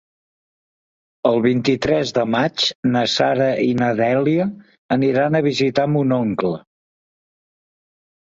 El vint-i-tres de maig na Sara i na Dèlia aniran a visitar mon oncle.